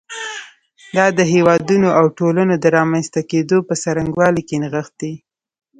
دا د هېوادونو او ټولنو د رامنځته کېدو په څرنګوالي کې نغښتی.